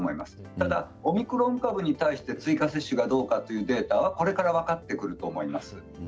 ただオミクロン株に対して追加接種がどうかというデータはこれから分かってくると思います。